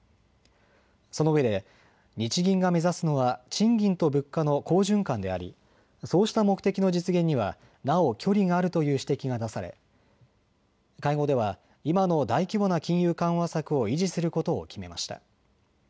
そのうえで日銀が目指すのは賃金と物価の好循環でありそうした目的の実現にはなお距離があるという指摘が出され会合では今の大規模な金融緩和策を維持することを決めました。